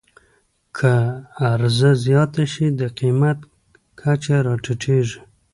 که عرضه زیاته شي، د قیمت کچه راټیټېږي.